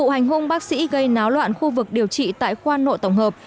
hành hung bác sĩ gây náo loạn khu vực điều trị tại khoa nội tổng hợp